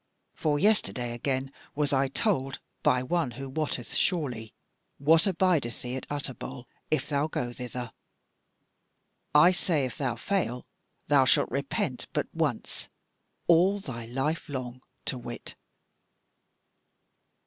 For yesterday again was I told by one who wotteth surely, what abideth thee at Utterbol if thou go thither. I say if thou fail, thou shalt repent but once all thy life long to wit."